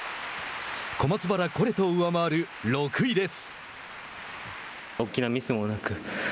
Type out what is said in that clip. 小松原・コレトを上回る６位です。